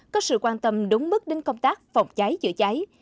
có sự quan tâm đúng mức đến công tác phòng cháy chữa cháy